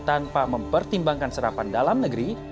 tanpa mempertimbangkan serapan dalam negeri